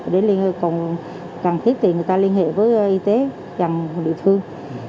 để liên hệ cùng cần thiết thì người ta liên hệ với y tế dòng địa phương